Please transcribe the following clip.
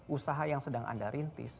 usaha yang sedang anda rintis